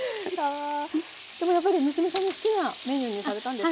でもやっぱり娘さんの好きなメニューにされたんですか？